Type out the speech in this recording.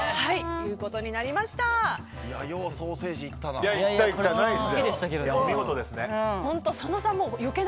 ようソーセージにいったな。